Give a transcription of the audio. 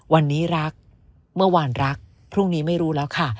วันนี้รักเมื่อวานรักพรุ่งนี้ไม่รู้แล้วค่ะ